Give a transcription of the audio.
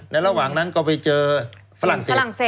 ระหว่างนั้นก็ไปเจอฝรั่งเศส